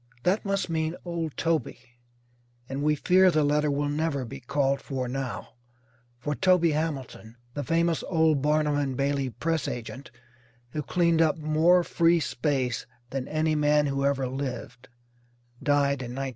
That must mean old Toby, and we fear the letter will never be called for now, for Toby Hamilton, the famous old Barnum and Bailey press agent, who cleaned up more "free space" than any man who ever lived, died in 1916.